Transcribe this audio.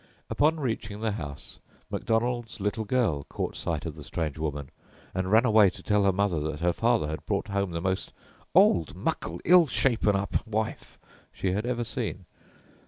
Upon reaching the house, Macdonald's little girl caught sight of the strange woman, and ran away to tell her mother that her father had brought home "the most old, muckle, ill shapen up wife" she had ever seen.